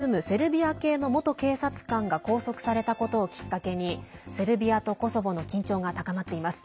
今月１０日にコソボに住むセルビア系の元警察官が拘束されたことをきっかけにセルビアとコソボの緊張が高まっています。